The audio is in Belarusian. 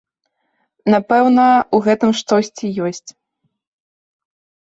Напэўна, у гэтым штосьці ёсць.